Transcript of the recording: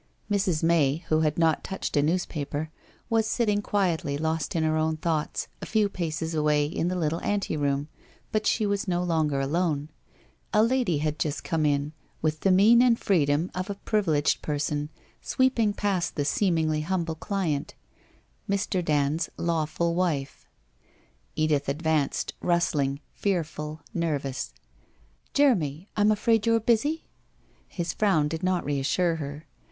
Mrs. May, who had not touched a newspaper, was sit ting quietly, lost in her own thoughts, a few paces away in the little anteroom, but she was no longer alone. A lady had just come in, with the mien and freedom of a privileged person, sweeping past the seemingly humble client — Mr. Dand's lawful wife. Edith advanced, rustling, fearful, nervous. ...' Jeremy, I'm afraid you are busy ?' His frown did not reassure her.